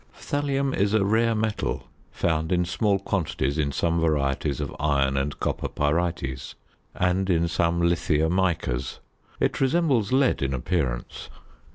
Thallium is a rare metal, found in small quantities in some varieties of iron and copper pyrites, and in some lithia micas. It resembles lead in appearance.